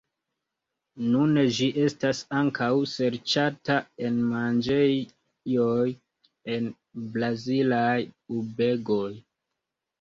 Nune ĝi estas ankaŭ serĉata en manĝejoj en Brazilaj urbegoj.